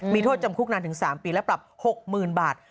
มีโทษจำคุกนานถึง๓ปีและปรับ๖๐๐๐บาท